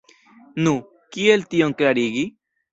Nu, kiel tion klarigi?